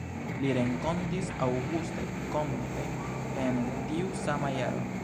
Li renkontis Auguste Comte en tiu sama jaro.